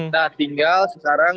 nah tinggal sekarang dibangun